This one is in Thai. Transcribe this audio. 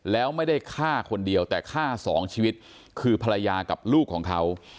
แล้วไม่ได้ฆ่าคนเดียวแต่ฆ่าสองชีวิตคือภรรยากับลูกของเขา